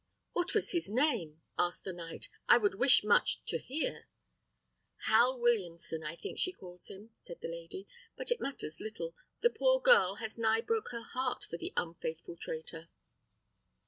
"What was his name?" asked the knight; "I would wish much to hear." "Hal Williamson, I think she calls him," said the lady: "but it matters little; the poor girl has nigh broke her heart for the unfaithful traitor."